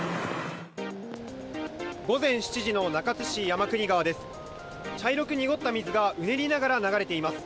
午前７時の中津市山国川です。